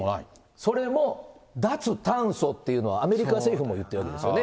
それも脱炭素というのは、アメリカ政府も言ってるわけですよね。